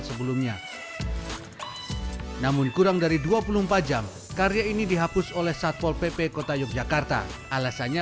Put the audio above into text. sebelumnya namun kurang dari dua puluh empat jam karya ini dihapus oleh satpol pp kota yogyakarta alasannya